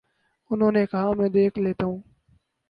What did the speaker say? انہوں نے کہا: میں دیکھ لیتا ہوں۔